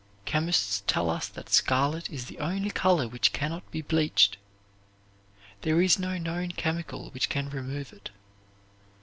Chemists tell us that scarlet is the only color which can not be bleached. There is no known chemical which can remove it.